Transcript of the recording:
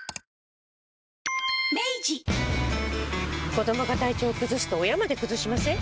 子どもが体調崩すと親まで崩しません？